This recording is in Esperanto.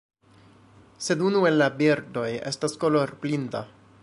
Sed unu el la birdoj estas kolorblinda.